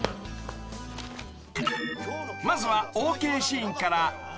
［まずはＯＫシーンから］